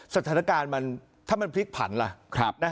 สถานการณ์ถ้ามันพลิกผันล่ะ